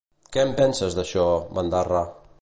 Què en penses d'això, bandarra?